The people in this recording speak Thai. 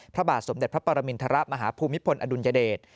พระบาทสมเด็จพระปรมินทรมาฮภูมิพลอดุลยเดช